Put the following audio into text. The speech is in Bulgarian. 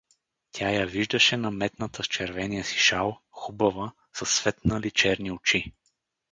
Тя я виждаше, наметната с червения си шал, хубава, със светнали черни очи.